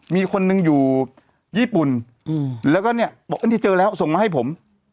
มีคนหนึ่งอยู่ญี่ปุ่นแล้วก็เนี่ยบอกอันนี้เจอแล้วส่งมาให้ผม